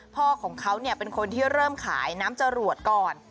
พ่อของเขาเป็นคนที่เริ่มขายน้ำจรวดก่อน